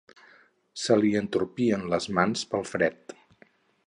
Se li entorpien les mans pel fred.